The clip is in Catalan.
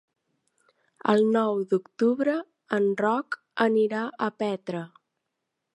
El nou d'octubre en Roc anirà a Petra.